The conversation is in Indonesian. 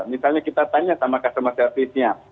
misalnya kita tanya sama customer service nya